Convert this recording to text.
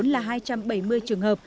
là hai trăm bảy mươi trường hợp